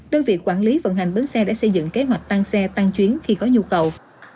đơn vị quản lý vận hành bến xe đã xây dựng kế hoạch tăng xe tăng chuyến khi có nhu cầu